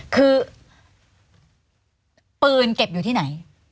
คือปืนเก็บอยู่ที่ไหน